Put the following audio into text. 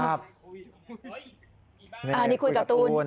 อันนี้คุยกับตูน